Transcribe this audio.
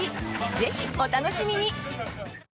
ぜひ、お楽しみに！